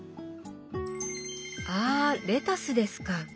あレタスですか。